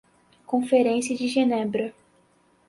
Conferência de Genebra